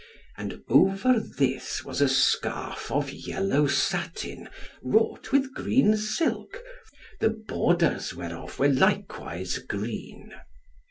And over this was a scarf of yellow satin wrought with green silk, the borders whereof were likewise green.